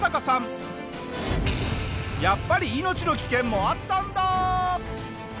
やっぱり命の危険もあったんだ！